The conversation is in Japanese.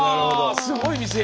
すごい店！